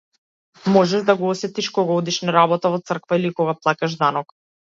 Можеш да го осетиш кога одиш на работа, во црква или кога плаќаш данок.